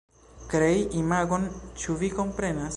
Krei imagon, ĉu vi komprenas?